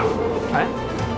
えっ？